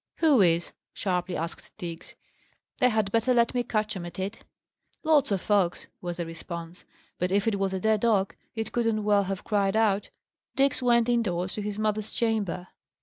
"Who is?" sharply asked Diggs. "They had better let me catch 'em at it!" "Lots of folks," was the response. "But if it was a dead dog, it couldn't well have cried out." Diggs went indoors to his mother's chamber.